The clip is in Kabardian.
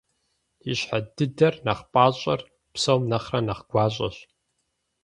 Ищхьэ дыдэр, нэхъ пIащIэр, псом нэхърэ нэхъ гуащIэщ.